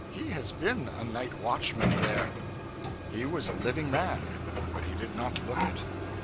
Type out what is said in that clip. He has been a night watchman there.' He was a living man, but he did not look it.